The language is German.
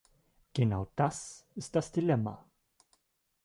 Genau das ist das Dilemma.